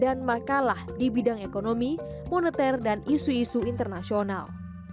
dan juga mempublikasikan sejumlah buku jurnal dan makalah di bidang ekonomi moneter dan isu isu internasional